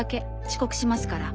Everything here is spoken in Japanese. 遅刻しますから。